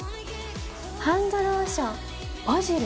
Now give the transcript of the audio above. ハンドローションバジル。